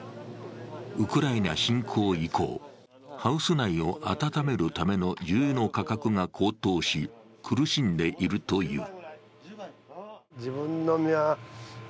ウクライナ侵攻以降ハウス内を暖めるための重油の価格が高騰し苦しんでいるという。